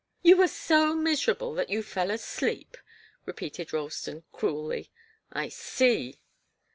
"You were so miserable that you fell asleep," repeated Ralston, cruelly. "I see."